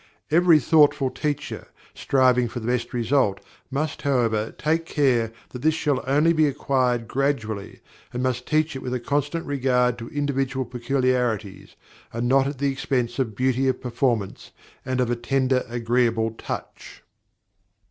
Every thoughtful teacher, striving for the best result, must, however, take care that this shall only be acquired gradually, and must teach it with a constant regard to individual peculiarities, and not at the expense of beauty of performance, and of a tender, agreeable touch.